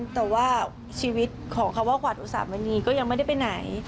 แต่ว่าชีวิตของคำว่าขวัญอุสามณีก็ยังไม่ได้ไปไหน